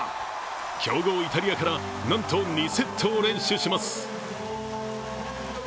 強豪イタリアからなんと２セットを連取します。